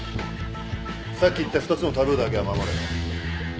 さっき言った２つのタブーだけは守れよ